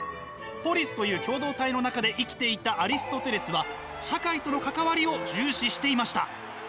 ポリスという共同体の中で生きていたアリストテレスは社会との関わりを重視していました。